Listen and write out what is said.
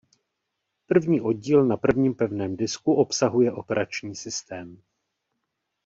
První oddíl na prvním pevném disku obsahuje operační systém.